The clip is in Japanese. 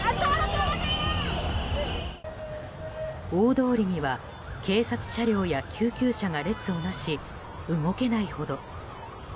大通りには警察車両や救急車が列をなし動けないほど。